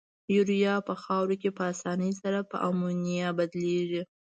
یوریا په خاوره کې په آساني سره په امونیا بدلیږي.